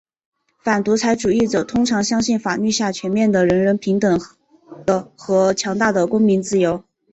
反独裁主义者通常相信法律下全面的人人平等的和强大的公民自由。